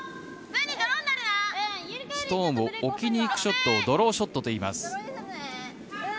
ストーンを置きに行くショットをドローショットといいます。